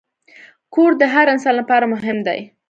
کور د هر انسان لپاره مهم دی.